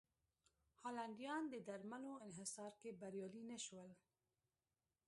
هالنډیان د درملو انحصار کې بریالي نه شول.